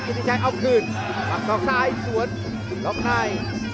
กิฟตีชายเอาคืนหลังของซ้ายส่วนล้อมหน้า